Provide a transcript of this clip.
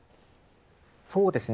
そうですね。